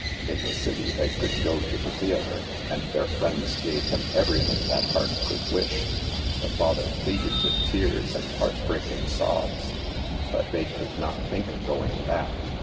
In the city they could go to the theater, and their friends gave them everything that heart could wish. The father pleaded with tears and heart breaking sobs, but they could not think of going back.